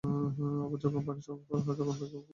আবার যখন পানি সরবরাহ করা হয়, তখন বেগও খুব বেশি থাকে না।